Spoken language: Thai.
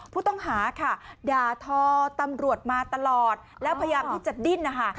ผู้ต้องหาค่ะด่าทอตำรวจมาตลอดแล้วพยายามที่จะดิ้นนะคะ